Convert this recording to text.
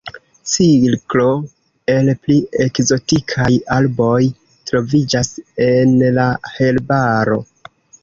Cirklo el pli ekzotikaj arboj troviĝas en la herbaro.